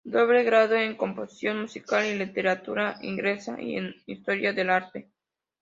Doble grado en composición musical y literatura inglesa, y en Historia del Arte.